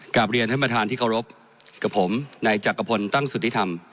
กลับเรียนท่านประธานที่เคารพกับผมในจักรพลตั้งสุทธิธรรม